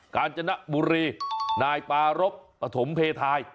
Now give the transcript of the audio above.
การจนบุรีนายปารพปฐมเพทาย